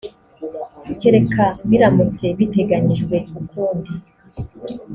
kereka biramutse biteganyijwe ukundi